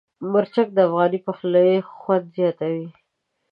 مرچک د افغاني پخلي خوند زیاتوي.